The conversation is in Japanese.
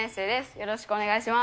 よろしくお願いします。